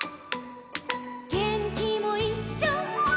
「げんきもいっしょ」